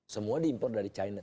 semua diimpor dari china